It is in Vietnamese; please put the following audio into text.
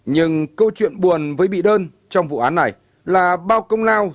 nhưng câu chuyện buồn với bị đơn trong vụ án này là bao công lao